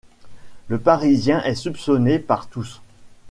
Le Parisien est soupçonné par tous.